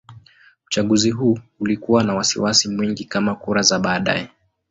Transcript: Uchaguzi huu ulikuwa na wasiwasi mwingi kama kura za baadaye.